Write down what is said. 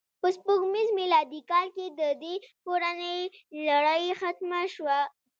په سپوږمیز میلادي کال کې د دې کورنۍ لړۍ ختمه شوه.